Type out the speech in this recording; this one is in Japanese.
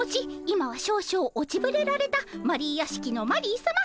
今は少々落ちぶれられたマリー屋敷のマリーさま